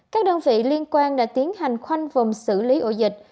các đơn vị liên quan đã tiến hành khoanh vùng xử lý ổ dịch